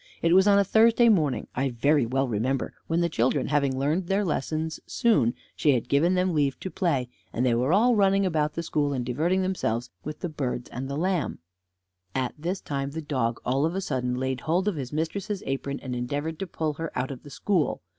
It was on a Thursday morning, I very well remember, when the children having learned their lessons soon, she had given them leave to play, and they were all running about the school, and diverting themselves with the birds and the lamb; at this time the dog, all of a sudden, laid hold of his mistress's apron, and endeavored to pull her out of the school.